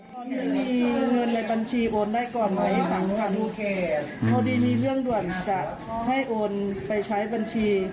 คนใบบันชีอ้วนได้ก่อนไหมรู้ค่ะพอนี้มีเรื่องแต่ไปใช้บันชี